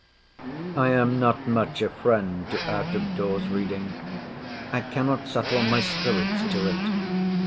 I am not much a friend to out of doors reading. I cannot settle my spirits to it.